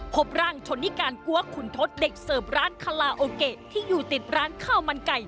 พบร่างชนนิการกัวขุนทศเด็กเสิร์ฟร้านคาลาโอเกะที่อยู่ติดร้านข้าวมันไก่